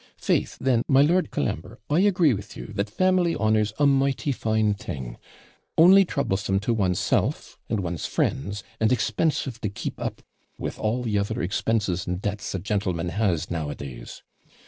Faith! then, my Lord Colambre, I agree with you, that family honour's a mighty fine thing, only troublesome to one's self and one's friends, and expensive to keep up with all the other expenses and debts a gentleman has nowadays.